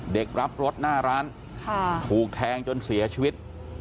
รับรถหน้าร้านถูกแทงจนเสียชีวิต